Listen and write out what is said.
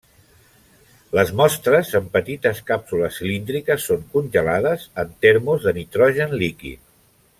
Les mostres en petites càpsules cilíndriques són congelades en termos de nitrogen líquid.